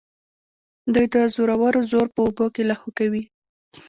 دوی د زورورو زور په اوبو کې لاهو کوي.